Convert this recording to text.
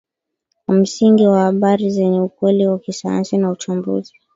kwa msingi wa habari zenye ukweli wa kisayansi na uchambuzi